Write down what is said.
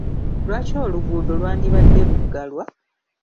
Lwaki oluguudo lwandibadde luggalwa?